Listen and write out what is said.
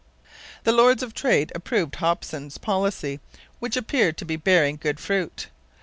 The Lords of Trade approved Hopson's policy, which appeared to be bearing good fruit.